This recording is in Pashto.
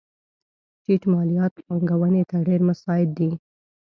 ټیټ مالیات پانګونې ته ډېر مساعد دي.